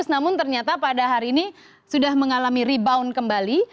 namun ternyata pada hari ini sudah mengalami rebound kembali